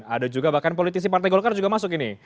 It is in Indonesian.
ada juga bahkan politisi partai golkar juga masuk ini